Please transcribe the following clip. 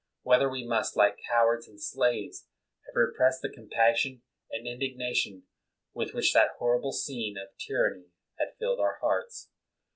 whether we must, like cowards and slaves, have repressed the compassion and indignation with which that horrible scene of tjTanny had filled our hearts?